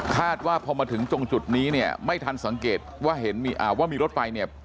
ว่าพอมาถึงตรงจุดนี้เนี่ยไม่ทันสังเกตว่าเห็นว่ามีรถไฟเนี่ย